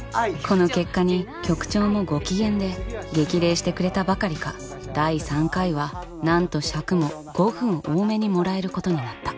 この結果に局長もご機嫌で激励してくれたばかりか第３回はなんと尺も５分多めにもらえることになった。